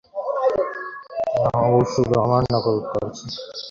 না, ও শুধু আমার নকল করছে।